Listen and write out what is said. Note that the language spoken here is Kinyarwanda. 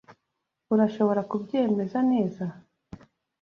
Urashobora kubyemeza neza. .